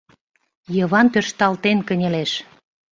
Йыван тӧршталтен кынелеш.